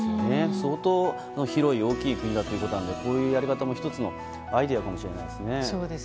相当広い、大きい国ということでこういうやり方も１つのアイデアかもしれないですね。